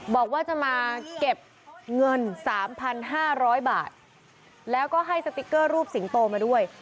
บอกว่าจะมาเก็บเงิน๓๕๐๐บาทแล้วก็ให้สติ๊กเกอร์รูปสิงโตมาด้วย